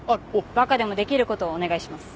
バカでもできることをお願いします。